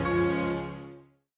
nggak ada apa apa